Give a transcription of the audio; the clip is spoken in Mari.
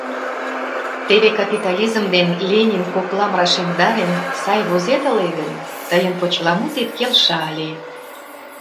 Теве капитализм ден Ленин коклам рашемдарен, сай возет ыле гын, тыйын почеламутет келша ыле.